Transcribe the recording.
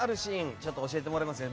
ちょっと教えてもらえますか。